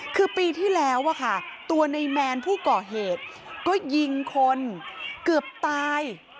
คือปีที่แล้วอะค่ะตัวในแมนผู้ก่อเหตุก็ยิงคนเกือบตาย